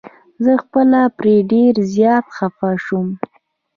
زه خپله پرې ډير زيات خفه شوم.